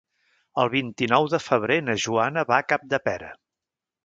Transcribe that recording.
El vint-i-nou de febrer na Joana va a Capdepera.